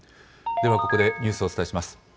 ではここでニュースをお伝えします。